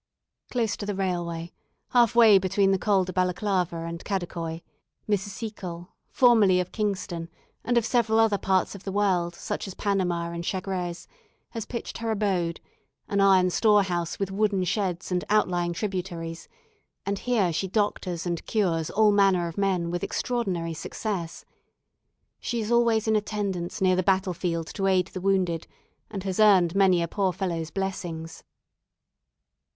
Close to the railway, half way between the Col de Balaclava and Kadikoi, Mrs. Seacole, formerly of Kingston and of several other parts of the world, such as Panama and Chagres, has pitched her abode an iron storehouse with wooden sheds and outlying tributaries and here she doctors and cures all manner of men with extraordinary success. She is always in attendance near the battle field to aid the wounded, and has earned many a poor fellow's blessings."